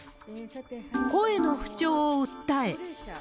声の不調を訴え。